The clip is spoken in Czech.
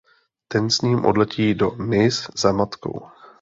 Ten s ním odletí do Nice za matkou.